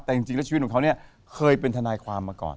แต่จริงแล้วชีวิตของเขาเนี่ยเคยเป็นทนายความมาก่อน